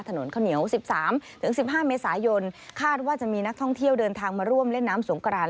ถนนข้าวเหนียว๑๓๑๕เมษายนคาดว่าจะมีนักท่องเที่ยวเดินทางมาร่วมเล่นน้ำสงกราน